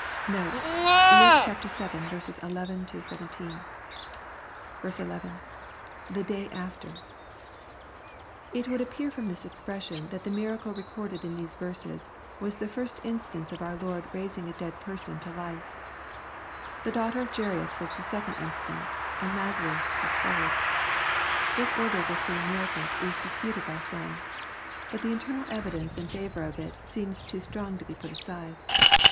Notes. Luke VII. 11 — 17. 11. — [T,'.e day after.'] It would appear from this expression, that the miracle recorded in these verses, was the first instance of our Lord raising a dead person to life. The daughter of Jairus was the sec ond instance, and Lazarus the third. This order of the three miracles is disputed by some. But the internal evidence in favor of itj seems too strong to be put aside.